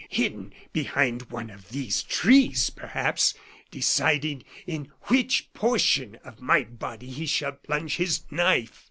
Hidden behind one of these trees, perhaps, deciding in which portion of my body he shall plunge his knife."